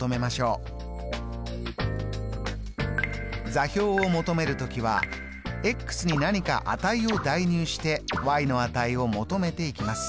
座標を求める時はに何か値を代入しての値を求めていきます。